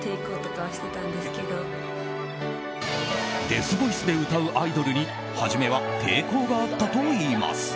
デスボイスで歌うアイドルに初めは抵抗があったといいます。